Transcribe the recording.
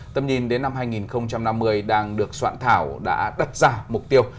tầm nhìn đến năm hai nghìn năm mươi đang được soạn thảo đã đặt ra mục tiêu